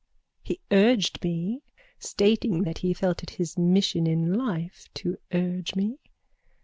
He urged me (Stating that he felt it his mission in life to urge me.)